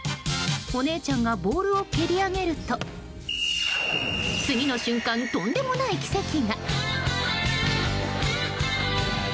お姉ちゃんがボールを蹴り上げると次の瞬間、とんでもない奇跡が。